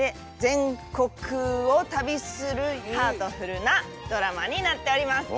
全国を旅するハートフルなドラマになっております。